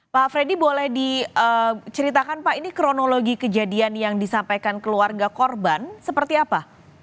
pak freddy boleh diceritakan pak ini kronologi kejadian yang disampaikan keluarga korban seperti apa